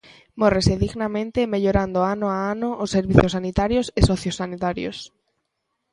Mórrese dignamente e mellorando ano a ano os servizos sanitarios e sociosanitarios.